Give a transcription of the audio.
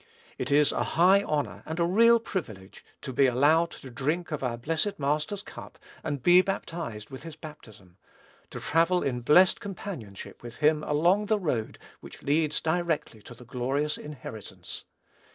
It is a high honor and a real privilege to be allowed to drink of our blessed Master's cup, and be baptized with his baptism; to travel in blest companionship with him along the road which leads directly to the glorious inheritance.